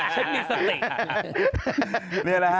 ฉันมีสติ